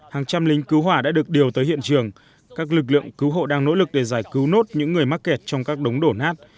hàng trăm lính cứu hỏa đã được điều tới hiện trường các lực lượng cứu hộ đang nỗ lực để giải cứu nốt những người mắc kẹt trong các đống đổ nát